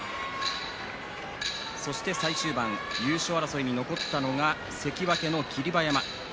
そして最終盤、優勝争いに残ったのが関脇の霧馬山です。